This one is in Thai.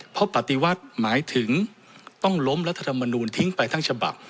เพราะปฏิวัติหมายถึงต้องล้มรัฐธรรมนูลทิ้งไปทั้งฉบับ